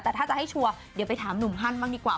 แต่ถ้าจะให้ชัวร์เดี๋ยวไปถามหนุ่มฮันบ้างดีกว่า